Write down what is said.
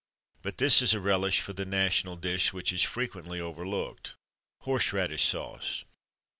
But this is a relish for the national dish which is frequently overlooked. _Horse radish Sauce.